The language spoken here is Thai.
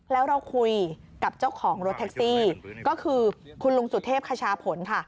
แล้วเราคุยกับเจ้าของรถแท็กซี่ก็คือคุณลุงสุเทพคชาผลค่ะ